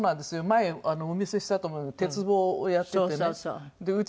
前お見せしたと思うんだけど鉄棒をやっててね。